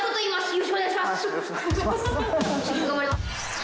よろしくお願いします。